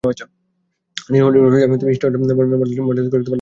তিনি Holy Rock School এবং East West Model স্কুলে পড়াশোনা করেন।